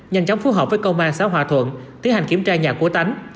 nhanh chóng phú hợp với công an xã hòa thuận thiết hành kiểm tra nhà của tánh